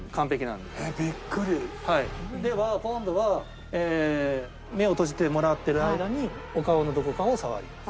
では今度は目を閉じてもらってる間にお顔のどこかを触ります。